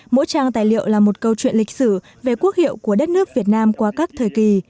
mỗi trang tài liệu là một câu chuyện lịch sử về quốc hiệu của đất nước việt nam qua các thời kỳ